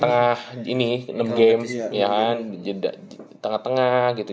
ya maksudnya di tengah tengah ini